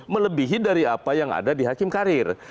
melebihi dari apa yang ada di hakim karir